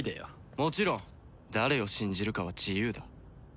もちろん誰を信じるかは自由だ。